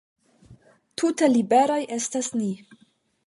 Tute liberaj estas ni!